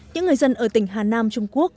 những người dân ở tỉnh hà nam trung quốc